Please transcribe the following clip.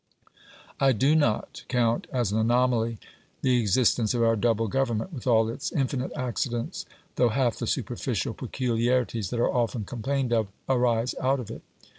I do not count as an anomaly the existence of our double government, with all its infinite accidents, though half the superficial peculiarities that are often complained of arise out of it.